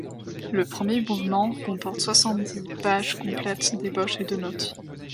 Le premier mouvement comporte soixante-dix pages complètes d'ébauches et de notes.